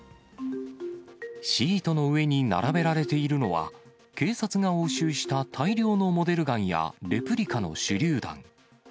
シートの上に並べられているのは、警察が押収した大量のモデルガンやレプリカの手りゅう弾。